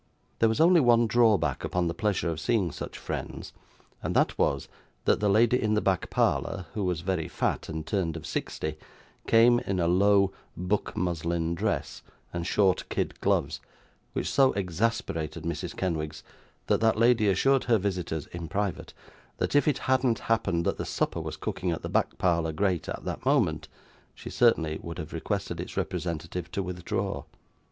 There was only one drawback upon the pleasure of seeing such friends, and that was, that the lady in the back parlour, who was very fat, and turned of sixty, came in a low book muslin dress and short kid gloves, which so exasperated Mrs Kenwigs, that that lady assured her visitors, in private, that if it hadn't happened that the supper was cooking at the back parlour grate at that moment, she certainly would have requested its representative to withdraw.